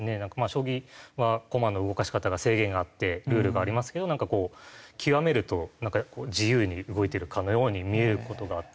将棋は駒の動かし方が制限があってルールがありますけどなんかこう極めると自由に動いているかのように見える事があって。